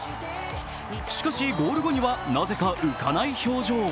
しかしゴール後にはなぜか浮かない表情。